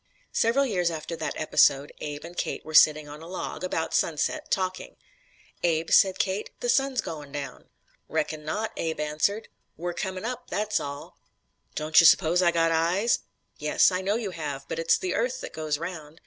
Several years after that episode, Abe and Kate were sitting on a log, about sunset, talking: "Abe," said Kate, "the sun's goin' down." "Reckon not," Abe answered, "we're coming up, that's all." "Don't you s'pose I got eyes?" "Yes, I know you have; but it's the earth that goes round.